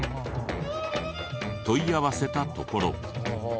問い合わせたところ。